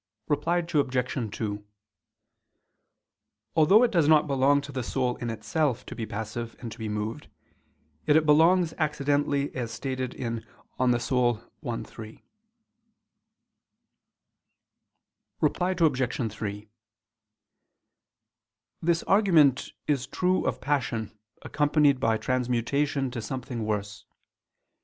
Reply Obj. 2: Although it does not belong to the soul in itself to be passive and to be moved, yet it belongs accidentally as stated in De Anima i, 3. Reply Obj. 3: This argument is true of passion accompanied by transmutation to something worse.